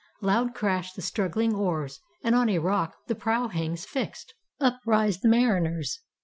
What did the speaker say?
Loud crash the struggling oars, and on a rock The prow hangs fixed. Up rise the mariners.